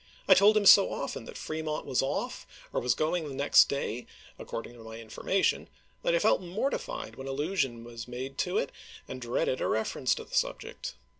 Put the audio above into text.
I told him so often that Fre mont was off, or was going next day, according to my information, that I felt mortified when allusion was made to it, and dreaded a reference to the subject.